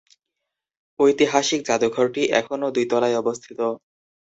ঐতিহাসিক জাদুঘরটি এখনও দুই তলায় অবস্থিত।